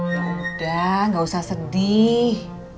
yaudah gak usah sedih